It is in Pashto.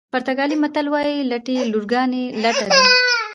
پرتګالي متل وایي لټې لورګانې لټه دي.